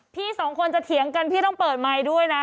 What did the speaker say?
พี่สองคนจะเถียงกันพี่ต้องเปิดไมค์ด้วยนะ